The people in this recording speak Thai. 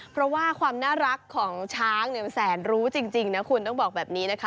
เพราะว่าความน่ารักของช้างเนี่ยมันแสนรู้จริงนะคุณต้องบอกแบบนี้นะคะ